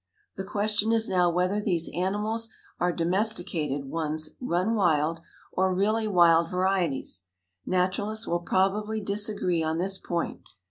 The question is now whether these animals are domesticated ones run wild, or really wild varieties. Naturalists will probably disagree on this point.